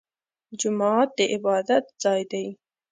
جومات د عبادت ځای دی